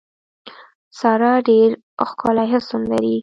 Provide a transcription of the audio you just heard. ساره ډېر ښکلی حسن لري.